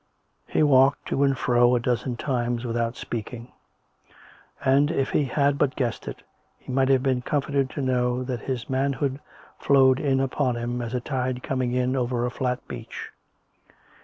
He walked to and fro half a dozen times without speak ing, and, if he had but guessed it, he might have been comforted to know that his manhood flowed in upon him, as a tide coming in over a flat beach.